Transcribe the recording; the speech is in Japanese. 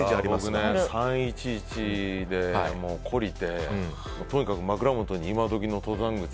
僕ね、３・１１で懲りてとにかく枕元に今どきの登山靴。